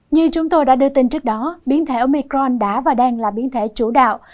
như chúng tôi đã đưa tin trước đó biến thể omicron đã và đang là biến thể chủ đạo